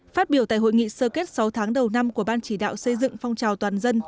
phát biểu tại hội nghị sơ kết sáu tháng đầu năm của ban chỉ đạo xây dựng phong trào toàn dân